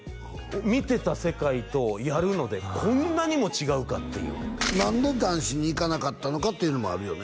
見てた世界とやるのでこんなにも違うかっていう何で談志に行かなかったのかっていうのもあるよね